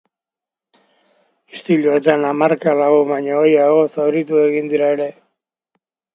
Istiluetan mila lagun baino gehiago zauritu egin dira ere.